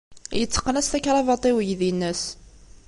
Yetteqen-as takrabaḍt i uydi-nnes.